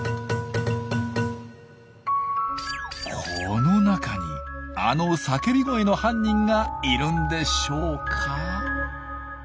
この中にあの叫び声の犯人がいるんでしょうか？